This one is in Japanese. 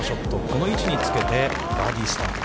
この位置につけて、バーディースタート。